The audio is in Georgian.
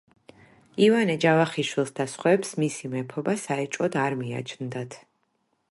ივანე ჯავახიშვილს და სხვებს მისი მეფობა საეჭვოდ არ მიაჩნდათ.